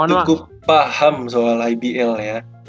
karena dia cukup paham soal ibl ya